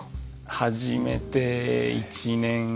始めて１年。